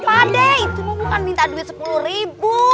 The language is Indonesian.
pakde itu mah bukan minta duit sepuluh ribu